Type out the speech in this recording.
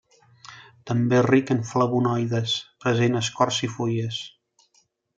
També és ric en flavonoides, present a escorça i fulles.